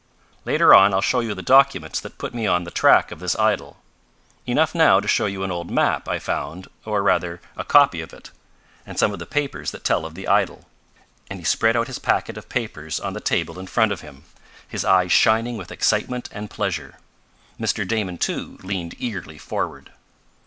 Later on I'll show you the documents that put me on the track of this idol. Enough now to show you an old map I found, or, rather, a copy of it, and some of the papers that tell of the idol," and he spread out his packet of papers on the table in front of him, his eyes shining with excitement and pleasure. Mr. Damon, too, leaned eagerly forward.